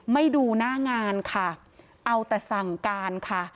ไม่ดูหน้างานค่ะเอาแต่สั่งการค่ะ